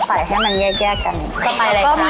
อันนี้เกลือค่ะอันที่มีเกลือแต่ว่าน้ำตาลกับเกลือ